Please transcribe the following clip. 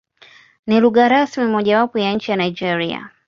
Ni lugha rasmi mojawapo ya nchi ya Nigeria.